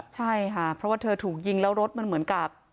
ใช่ค่ะเพราะว่าเธอถูกยิงแล้วรถมันเหมือนกับ